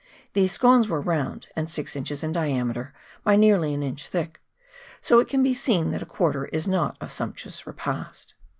These scones were round, and six inches in diameter by nearly an inch thick, so it can be seen that a quarter is not a sumptuous repast